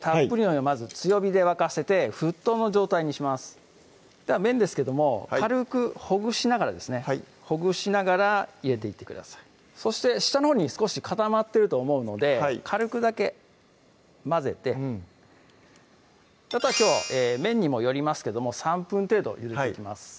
たっぷりのお湯をまず強火で沸かせて沸騰の状態にします麺ですけども軽くほぐしながらですねほぐしながら入れていってくださいそして下のほうに少し固まってると思うので軽くだけ混ぜてあとはきょう麺にもよりますけども３分程度ゆでていきます